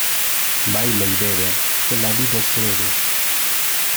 Baila y bebe, que la vida es breve.